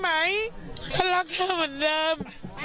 ฉันรักเธอเหมือนเดิม